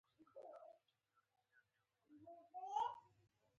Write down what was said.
د ښار له څنګ تېرېږو.